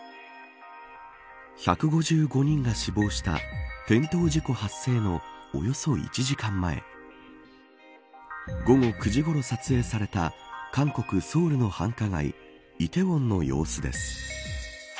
１５５人が死亡した転倒事故発生のおよそ１時間前午後９時ごろ撮影された韓国ソウルの繁華街梨泰院の様子です。